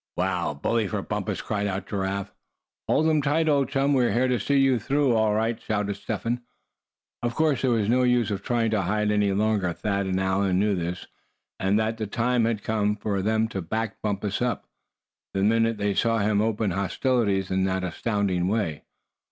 "Wow! bully for Bumpus!" cried out Giraffe. "Hold 'em tight, old chum; we're here to see you through, all right!" shouted Step Hen. Of course there was no use of trying to hide any longer. Thad and Allan knew this, and that the time had come for them to back Bumpus up, the minute they saw him open hostilities in that astonishing way.